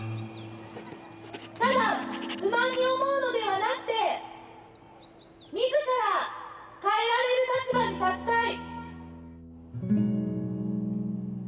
ただ不満に思うのではなくてみずから変えられる立場に立ちたい。